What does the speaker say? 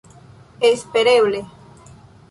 espereble